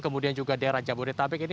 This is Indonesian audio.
kemudian juga daerah jabodetabek ini